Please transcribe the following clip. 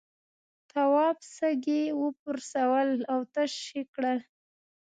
تواب سږي وپرسول او تش کړل.